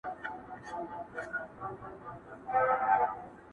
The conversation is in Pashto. غوږ یې ونیوی منطق د زورور ته٫